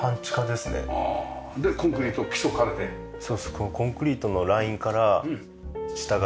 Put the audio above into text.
このコンクリートのラインから下が地下ですね。